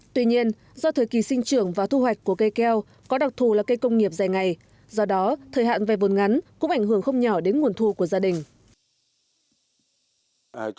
tuy nhiên do thời kỳ sinh trưởng và thu hoạch của cây keo có đặc thù là cây công nghiệp dài ngày do đó thời hạn vay vốn ngắn cũng ảnh hưởng không nhỏ đến nguồn thu của gia đình